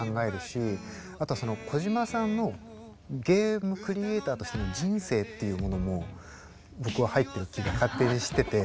あとはその小島さんのゲームクリエーターとしての人生っていうものも僕は入ってる気が勝手にしてて。